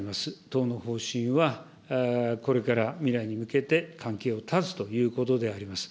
党の方針は、これから未来に向けて関係を断つということであります。